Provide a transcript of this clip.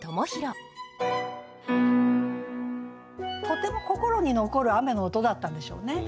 とても心に残る雨の音だったんでしょうね。